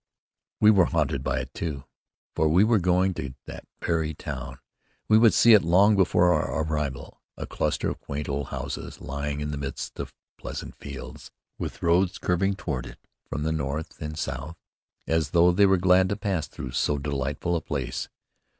We were haunted by it, too, for we were going to that very town. We would see it long before our arrival a cluster of quaint old houses lying in the midst of pleasant fields, with roads curving toward it from the north and south, as though they were glad to pass through so delightful a place.